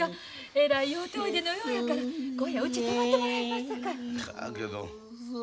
えらい酔うておいでのようやから今夜はうち泊まってもらいますさかい。